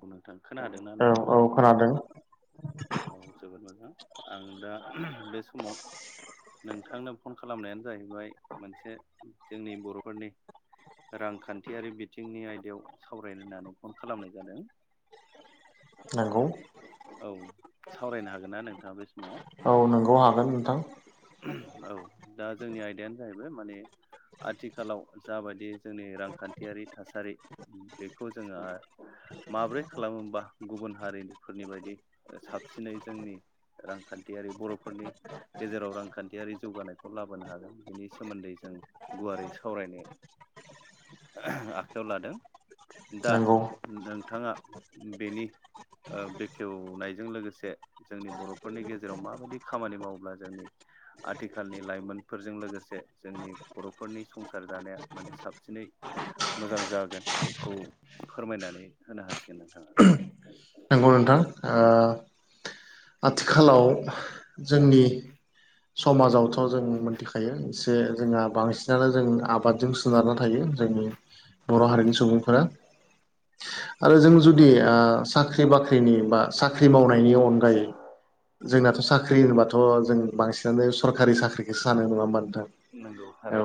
बुं नोंथां खोनादोंना औ नोंथाङा औ खोनादों औ जोबोद मोजां आं दा बे समाव नोंथांनो फन खालामनायानो जाहैबाय मोनसे जोंनि बर'फोरनि रांखान्थियारि बिथिंनि आयदायाव सावरायनो होननानै फन खालामनाय जादों [inaudible] नोंगौ औ सावरायनो हागोन ना नोंथाङा बे समाव नोंगौ हागोन नोंथां औ दा जोंनि आयदायानो जाहैबाय माने आथिखालाव जाबायदि जोंनि रांखान्थियारि थासारि बेखौ जोङो माब्रै खालामोबा गुबुन हारिनिफोरनि बायदि साबसिनै जोंनि रांखान्थियारि बर'फोरनि गेजेराव रांखान्थियारि जौगानायखौ लाबोनो हागोन बिनि सोमोन्दै जों गुवारै सावरायनो आखायाव लादों दा नंगौ नोंथाङा बेनि बेखेवनायजों लोगोसे जोंनि बर'फोरनि गेजेराव माबायदि खामानि मावोब्ला जोंनि आथिखालनि लाइमोनफोरजों लोगोसे जोंनि बर'फोरनि संसार जानाया माने साबसिनै मोजां जागोन बेखौ फोरमायनानै होनो हासिगोन नोंथाङा नंगौ नोंथां ओ आथिखालाव जोंनि समाजावथ' जों मोनथिखायो एसे जोंहा बांसिनानो जों आबादजों सोनारना थायो जोंनि बर' हारिनि सुबुंफोरा आरो जों जुदि साख्रि बाख्रिनि बा साख्रि मावनायनि अनगायै जोंनाथ' साख्रि होनोबाथ' जों बांसिनानो सरकारि साख्रि सानो नङा होनबा नोंथां नंगौ औ थारै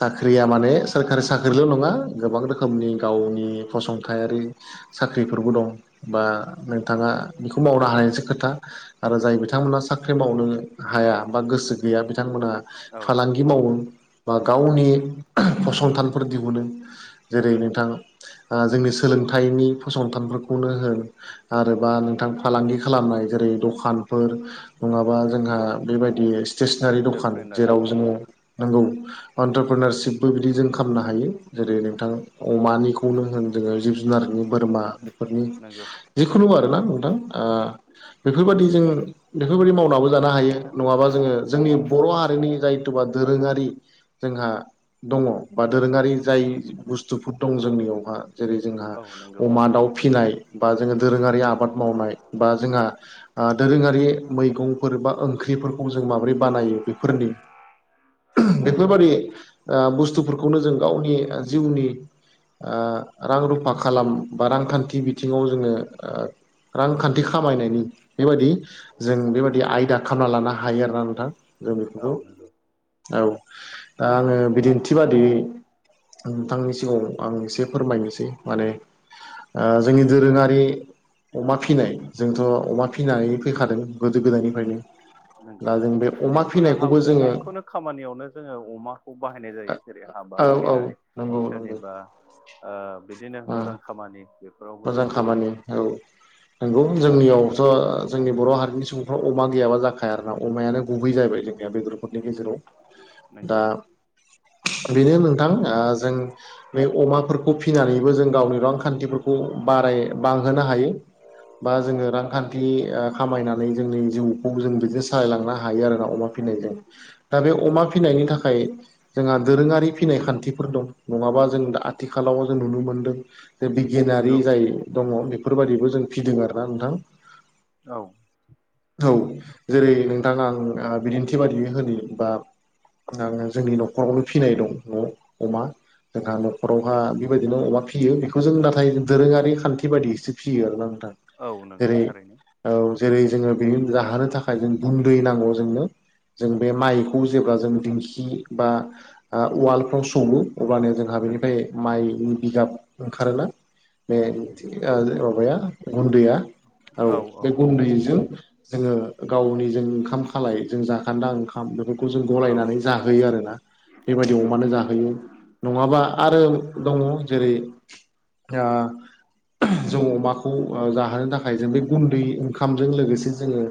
साख्रिया माने सोरखारि साख्रिल' नङा गोबां रोखोमनि गावनि फसंथायारि साख्रिफोरबो दं बा नोंथाङा बेखौ मावनो हानायनिसो खोथा आरो जाय बिथांमोना साख्रि मावनो हाया बा गोसो गैया बिथांमोना औ फालांगि गि मावो बा गावनि नंगौ फसंथानफोर दिहुनो जेरै नोंथां जोंनि सोलोंथाइनि फसंथानफोरखौनो होन आरोबा नंगौ नोंथां फालांगि खालामनाय जेरै दखानफोर नङाबा जोंहा नंगौ बेबायदि स्टेसनारि दखान इन्टारप्रेनार जेराव जोङो नांगौ अन्टारप्रनारशिपबो बिदि जों खालामनो हायो जेरै नोंथां नंगौ अमानिखौनो होन जोङो जिब जुनारनि बोरमा बेफोरनि नंगौ जिखुनु आरोना नोंथां आ बेफोरबादि जों बेफोरबायदि मावनाबो जानो हायो नङाबा जोङो जोंनि बर' हारिनि जायथुबा दोरोङारि जोंहा दङ बा दोरोङारि जाय बुस्थुफोर दं जोंनियावहा जेरै जोंहा औ नंगौ अमा दाउ फिसिनाय बा जोङो दोरोङारि आबाद मावनाय बा जोंहा दोरोङारि मैगंफोर बा ओंख्रिफोरखौ जों माबोरै बानायो बेफोरनि [inaudible] बेफोरबादि बुस्थुफोरखौनो जों गावनि जिउनि ओ रां रुफा खालाम बा रांखान्थि बिथिङाव जोङो ओ रांखान्थि खामायनायनि बेबायदि जों बेबायदि आयदा खालामना लानो हायो आरोना नोंथां जों औ बेफोरखौ नंगौ औ दा आङो बिदिन्थि बादि नोंथांनि सिगाङाव आं एसे फोरमायनोसै माने ओ जोंनि दोरोङारि अमा फिसिनाय जोंथ' अमा फिनानै फैखादों गोदो गोदायनिफ्रायनो नंगौ दा जों बे अमा जिखुनु हा फिनायखौबो जोङो जिखुनु खामानियावनो जोङो अमाखौ बाहायनाय जायो जेरै हाबा औ औ खेराइ नंगौ नंगौ सोरनिबा ओ बिदिनो ओ मोजां खामानि बेफोरावबो मोजां जों खामानि औ नंगौ जोंनियावथ' जोंनि बर' हारिनि सुबुं फ्राव अमा गैयाबा जाखाया आरोना अमायानो गुबै जाबाय जों बे ग्रुफोरनि गेजेराव दा नंगौ बेनो नोंथां ओ जों बे अमाफोरखौ फिनानैबो जों गावनि रांखान्थिफोरखौ बाराय बांहोनो हायो बा जोङो रांखान्थि खामायनानै जोंनि जिउखौ जों बिदिनो सालायलांनो हायो आरोना अमा फिनाय जायो दा बे अमा फिनायनि थाखाय जोंहा दोरोङारि फिनाय खान्थिफोर दं नङाबा जों दा आथिखालाव जों नुनो मोनदों जे गिनारि नंगौ जाय दङ बेफोरबाददिबो जों फिदों आरो ना नोंथां औ औ जेरै नोंथां आं बिदिन्थि बादियै होनि बा ओ जोंनि न'खरावनो फिसिनाय दं अ अमा जोंहा न'खरावहा बेबायदिनो अमा फियो बेखौ जों दा थाय दोरोङारि खान्थि बायदिसो फियो आरोना नोंथां औ नंगौ जेरै थारैनो औ जेरै जोङो बेनि जाहोनो थाखाय जों गुन्दै नांगौ जोंनो जों बे माइखौ जेब्ला जों दिंखि बा उवाल सौवो अब्लानो जोंहा नंगौ बेनिफ्राय माइ बिगाब ओंखारोना बे माबाया गुन्दैया औ बे गुन्दैजों जोङो गावनि जों ओंखाम खालाय जों जाखान्दा ओंखाम ओंखाम बेफोरखौ जों औ गलायनानै जाहोयो आरोना बेबायदि नंगौ अमानो जाहोयो नङाबा आरो दङ जेरै अ जों अमाखौ जाहोनो थाखाय जों बे गुन्दै ओंखामजों लोगोसे जोङो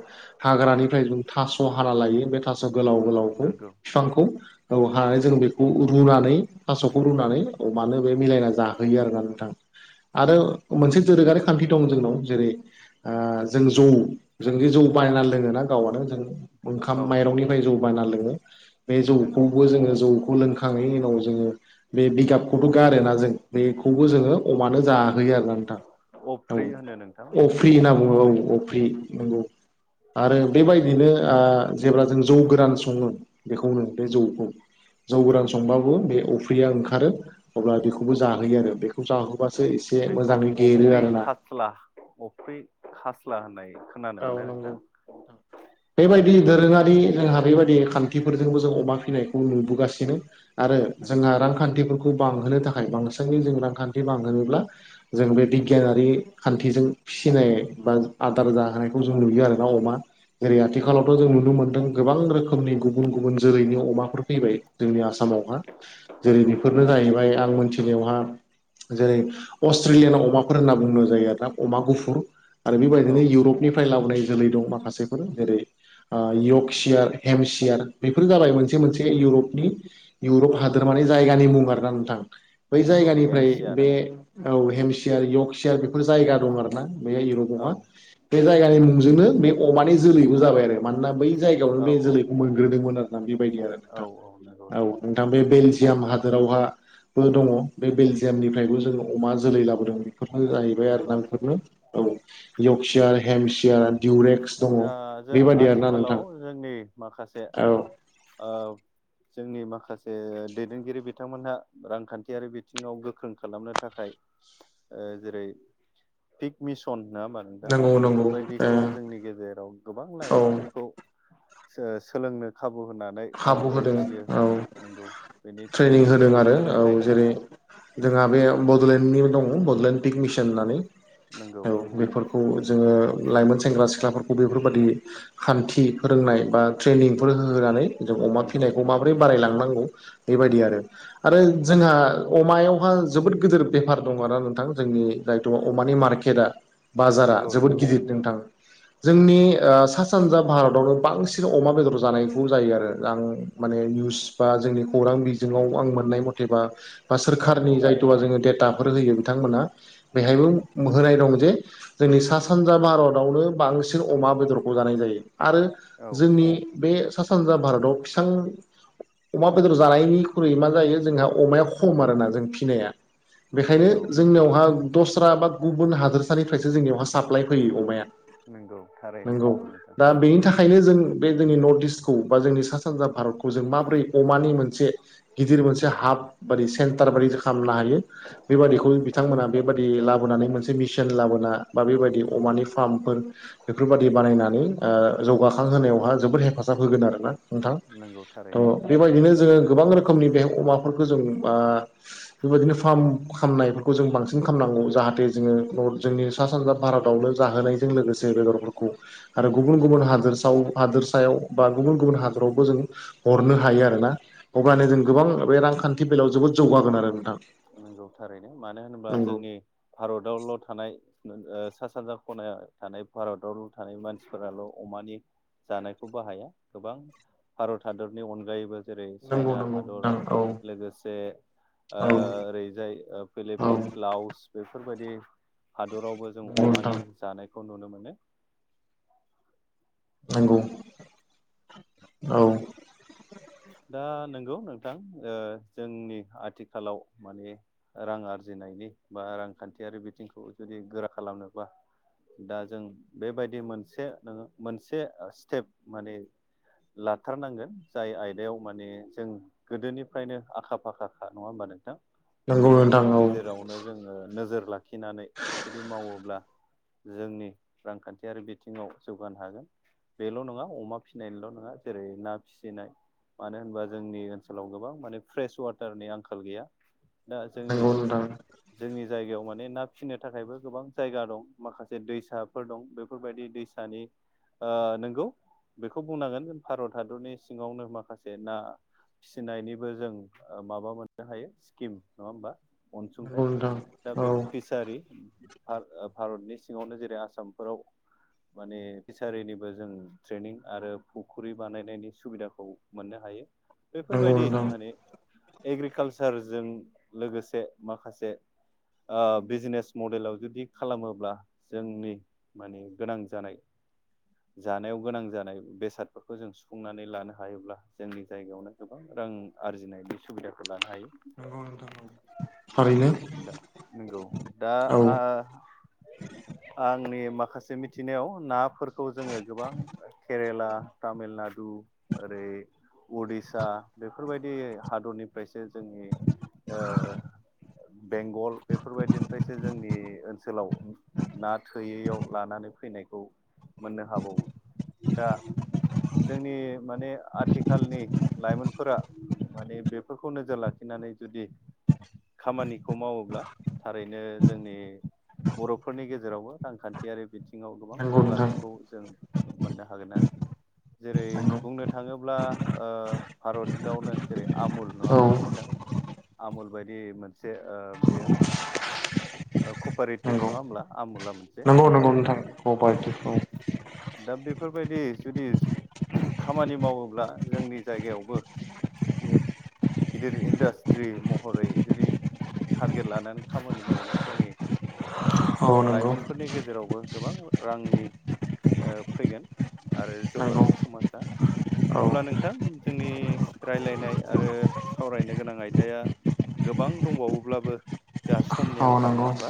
हाग्रानिफ्राय जों थास' हाना लायो बे थास' गोलाव गोलावखौ नंगौ बिफांखौ औ हानानै जों नंगौ बे खौ रुनानै थास'खौ रुनानै मानो बे मिलायना जाहोयो आरोना नोंथां आरो मोनसे दोरोङारि खान्थि दं जोंनाव जेरै जों जौ जों बे जौ बायना लोङोना गावआनो जों औ ओंखाम नंगौ माइरंनिफ्राय जौ बानायनाय लोङो बे नंगौ जौखौबो जोङो जौ लोंखांनायनि उनाव जोङो बे बिगाबखौथ' गारो ना जों बेखौबो जोङो अमानो जाहोयो आरोना नोंथां अफ्रि होनो नोंथां औ बेखौ अफ्रि होनना बुङो अफ्रि औ अफ्रि नंगौ आरो बेबायदिनो जेब्ला जों जौ गोरान सङो बेखौनो बे जौखौ जौ औ गोरान संबा बे अफ्रिया ओंखारो अ बेखौ जयो आरो बे अबासो एसे बेखौ मोजाङै देरो अफ्रि आरो ना खास्ला अफ्रि खास्ला होननाय खोनानो औ मोनो नंगौ नोंथां नोंथां। बेबायदि दोरोङारि जोंहा बेबायदि खान्थिफोरजोंबो जों अमा फिसिनायखौ नुबोगासिनो आरो नंगौ जोंहा रांखान्थिफोरखौ बांहोनो थाखाय बांसिनै जों रांखान्थि बांहोनोब्ला जों बे बिगियानारि खान्थिजों फिसिनाय बा आदार जा हानायखौ जों नुयो आरोना अमा जेरै नंगौ आथिखालावथ' जों नुनो मोन्दों गोबां रोखोमनि गुबुन गुबुन जोलैनि अमाफोर फैबाय जोंनि आसामावहा जेरै नंगौ बेफोरनो जाहैबाय आं मोनथिनायावहा मिथिनियावहा जेरै अस्ट्रेलियान अमाफोर होनना बुंनाय जायो आरोना अमा गुफुर आरो औ बेबायदिनो इउरपनिफ्राय लाबोनाय जोलै दं माखासेफोर जेरै यकसियार हेमसियार बेफोर जाबाय मोनसे मोनसे इउरपनि इउरप औ हादोरमानि जायगानि मुं आरोना नोंथां बै नंगौ एम जायगानिफ्राय सि आर आ बे औ हेमसियार यकसियार बेफोर जायगा दं आरो ना बे इउर'पाव औ दङना बे जायगानि मुंजोंनो बे अमानि जोलैबो जाबाय आरो मानोना बै जायगायावनो औ बे जोलैखौ मोनग्रोदोंमोन आरो बेबायदि आरो औ औ नंगौ नंगौ नोंथां औ बे बेलजियाम हादोरावहा बो दङ बे बेलजियामनिफ्रायबो जों अमा जोलै लाबोदों बेफोरनो जाहैबाय आरोना नंगौ बेफोरनो औ यकसियार हेमसियार डिउरेक्स दङ दा जों बेबादि आरोना नोंथां आथिखालाव जोंनि माखासे औ जोंनि माखासे दैदेनगिरि बिथांमोनहा रांखान्थियारि बिथिङाव गोख्रों खालामनो थाखाय जेरै पिक मिसन नडा़ होनबा नोंथां नंगौ नंगौ बेफोरबायदि ओ खौ जोंनि गेजेराव गोबां औ लाइमोनफोरखौ सोलोंनो खाबु होनानै खाबु माबोरै होदों फिसियो औ नंगौ बेनि ट्रेनिं होदों आरो औ सोलोंथाइ होदों जेरै जोंहा बे बड'लेण्डनि दङ बड'लेण्ड पिक मिसन होननानै नंगौ औ बे खौ जोङो लाइमोन सेंग्रा सिख्लाफोरखौ बेफोरबायदि खान्थि फोरोंनाय बा ट्रेनिंफोर होनानै जों अमा नंगौ फिसिनायखौ मा बोरै बारायलांनांगौ बेबायदि आरो आरो जोंहा नंगौ अमायावहा जोबोद गिदिर बेफार दङ आरो ना नोंथां जोंनि जायथ' अमानि मार्केटआ बाजारा नंगौ जोबोद नंगौ गिदिर नोंथां जोंनि सा सानजा भारतावनो बांसिन अमा बेदर जानायखौ जायो आरो आं माने निउस बा जोंनि खौरां बिजोङाव आं मोननाय मथेबा बा औ सोरखारनि औ जायथ'बा जोङो डेटाफोर होयो बिथांमोना बेहायबो होनाय दं जे जोंनि सा सानजा भारतावनो बांसिन अमा बेदरखौ जानाय जायो आरो औ जोंनि बे सा सानजा भारताव फिसां अमा बेदर जानायनिख्रुइ मा जायो जोंहा अमाया खम आरोना जों फिसिनाया बेखायनो नंगौ जोंनियावहा दस्रा बा गुबुन हादोरसानिफ्रायसो जोंनियाव आ साप्लााय फैयो अमाया नंगौ थारैनो नंगौ नोंथां दा बेनि थाखायनो जों बे जोंनि नर्थ इस्टखौ बा जोंनि सा सानजा भारत खौ जों माबोरै अमानि मोनसे गिदिर मोनसे हाब बादि सेन्टार बादि खालामनो हायो बेबादिखौ बिथांमोना बे बेबायदि लाबोनानै मोनसे मिचन लाबोना बा बेबायदि अमानि फामर्फोर बेफोरबादि बानायनानै जौगाखांहोनायावहा जोबोद हेफाजाब होगोन आरोना नोंथां नंगौ थारैनो थ' बेबायदिनो जोङो गोबां रोखोमनि बे अमाफोरखौ जों बेबायदिनो फार्म खालामनायफोरखौ जों बांसिन खालामनांगौ जाहाथे जोङो जोंनि सा सानजा भारतावनो जाहोनायजों लोगोसे बेदरफोरखौ आरो गुबुन गुबुन औ हादोर हादोरसायाव बा गुबुन गुबुन हा आवबो जों हरनो हायो आरोना अब्लनो नंगौ जों गोबां बे रांखान्थि बेलायाव जोबोद जौगागोन आरो नोंथां नंगौ थारैनो मानो होनोबा जोंनि भारतावल' थानाय सा सानजा खनायाव थानाय भारतावल' थानाय मानसिफोराल' अमानि जानायखौ बाहाया गोबां भारत हादरनि अनगायैबो जेरै चाइना हादर लोगोसे ओरैजाय फिलिपिन क्लाउस बेफोरबायदि हादरावबो जों नोंथां अमानि जानायखौ नुनो मोनो नंगौ औ दा नंगौ नोंथां जोंनि आथिखालाव माने रां आरजिनायनि बा रांखान्थियारि बिथिंखौ जुदि गोरा खालामनोब्ला दा जों बेबायदि मोनसे नोङो मोनसे स्टेप माने लाथारनांगोन जाय आय बेयाव माने जों गोदोनिफ्रायनो आखा फाखा खा नङा होमबा नोंथां नंगौ बेनि नोंथां नंगौ गेजेरावनो जोङो नोजोर लाखिनानै जुदि मावोब्ला जोंनि रांखान्थियारि बिथिङाव जौगानो हागोन बेल' नङा अमा फिसिनायल' नङा जेरै ना फिसिनाय मानो होनबा जोंनि ओनसोलाव गोबां माने फ्रेस वाटारनि आंखाल गैया दा जोंनि औ नंगौ नोंथां औ नंगौ नोंथां जोंनि जायगायाव माने ना फिसिनो थाखायबो गोबां जायगा दं माखासे दैसाफोर दं बेफोरबायदि दैसा दानि नंगौ बेखौ बुंनांगोन भारत हादरनि सिङावनो माखासे जे ना फिसिनायनिबो जों माबा मोननो हायो स्किम नङा होमबा अनसुंथाइ नंगौ नोंथां दा औ बे फि भारतनि सिङावनो जेरै आसामफोराव माने फिसारिनिबो जों ट्रेनिं आरो फुख्रि बानायनायनि सुबिदाखौ मोननो हायो नंगौ बेफोरबायदि नोंथां माने एग्रिकालसारजों लोगोसे माखासे बिजनेस मडेलाव जुदि खालामोब्ला जोंनि माने गोनां जानाय जानायाव गोनां जानाय बेसादफोरखौ जों सुफुंनानै लानो हायोब्ला जोंनि जायगायावनो गोबां रां आरजिनायनि सुबिदाफोर लानो हायो नंगौ नोंथां औ थारैनो [unintelligible] नंगौ दा औ आंनि माखासे मिथिनायाव ना फोरखौ जोङो गोबां केरेला तामिलनाडु ओरै उडिसा बेफोरबायदि हादरनिफ्रायसो जोंनि बेंगल बेफोरबायदिनिफ्रायसो जोंनि ओनसोलाव ना थोयैयाव लानानै फैनायखौ मोननो हाबावो दा जोंनि माने आथि खालनि लाइमोनफोरा माने बेफोरखौ नोजोर लाखिनानै जुदि खामानिखौ मावोब्ला थारैनो जोंनि बर'फोरनि गेजेरावबो रांखान्थियारि बिथिङाव गोबां नंगौ नोंथां जौगानायखौ जों मोननो हागोन आरो जेरै नंगौ बुंनो थाङोब्ला ओ भारतावनो जेरै आमुल नङा औ ओमना नोंथां। आमुल बायदि मोनसे ओ बेयो ओ‌ कपारेटिप नंगौ नङा ओमब्ला? आमुला मोनसे नंगौ नंगौ नोंथां कभारटिप औ कपारेटिभ दा बेफोरबायदि जुदि खामानि मावोब्ला जोंनि जायगायावबो गिदिर इन्डास्ट्रि महरै जुदि टारगेट लानानै खामानि मावोबा जोंनि औ नंगौ लाइमोनफोरनि गेजेरावबो गोबां रांनि ओ फैगोन आरो नंगौ जौगागोन समाजा। औ अब्ला नोंथां जोंनि रायलायनाय आरो सावरायनो गोनां आयदाया गोबां दंबावोब्लाबो जोंहा समनि औ आं खाल नङा नंगौ होमबा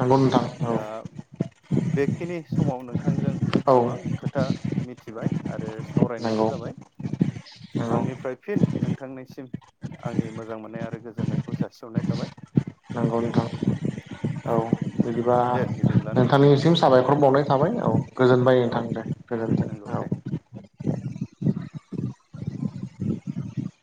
नंगौ नोंथां औ दा बेखिनि समाव नोंथांजों औ गोबां खोथा मिथिबाय आरो सावरायनायबो नंगौ जाबाय नंगौ आंनिफ्राय फिन नोंथांनिसिम आंनि मोजां मोननाय आरो गोजोननायखौ जासिहरनाय थाबाय‌। नंगौ [unintelligible] औ [inaudible] बिदिबा दे बिदिब्लाना नोंथां नोंथांनिसिम साबायखर बावनाय थाबाय औ गोजोनबाय औ नोंथां दे नंगौ गोजोन्थों दे औ।